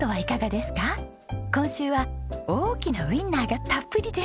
今週は大きなウィンナーがたっぷりです。